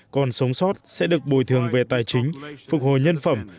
còn sống sót sẽ được bồi thường về tài chính phục hồi nhân phẩm